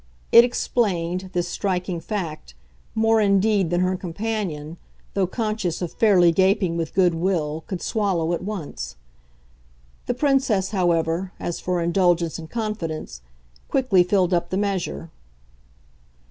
It explained, this striking fact, more indeed than her companion, though conscious of fairly gaping with good will, could swallow at once. The Princess, however, as for indulgence and confidence, quickly filled up the measure.